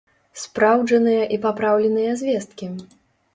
Спраўджаныя і папраўленыя звесткі!